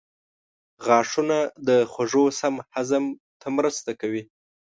غاښونه د خوړو سم هضم ته مرسته کوي.